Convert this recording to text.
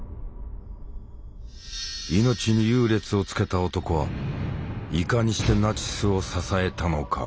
「いのち」に優劣をつけた男はいかにしてナチスを支えたのか？